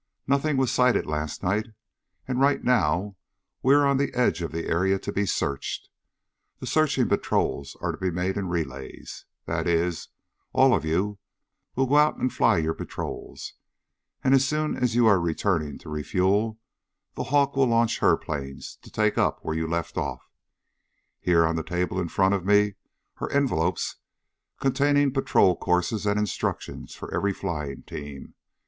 "Nothing was sighted last night, and right now we are on the edge of the area to be searched. The searching patrols are to be made in relays. That is, all of you will go out and fly your patrols, and as you are returning to refuel the Hawk will launch her planes to take up where you left off. Here on the table in front of me are envelopes containing patrol courses and instructions for every flying team.